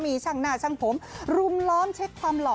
มีช่างหน้าช่างผมรุมล้อมเช็คความหล่อ